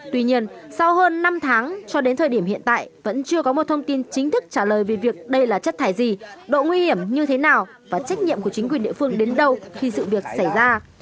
tuy nhiên sau hơn năm tháng cho đến thời điểm hiện tại vẫn chưa có một thông tin chính thức trả lời về việc đây là chất thải gì độ nguy hiểm như thế nào và trách nhiệm của chính quyền địa phương đến đâu khi sự việc xảy ra